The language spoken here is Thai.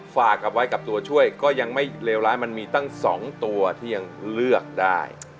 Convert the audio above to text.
ฝากกับไว้กับตัวช่วยก็ยังไม่เลวร้ายมันมีตั้ง๒ตัวที่ยังเลือกได้